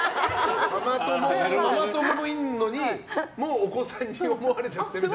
ママ友もいるのにお子さんに思われちゃってるみたいな。